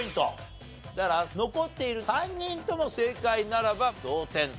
だから残っている３人とも正解ならば同点と。